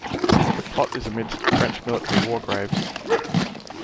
The plot is amidst French military war graves.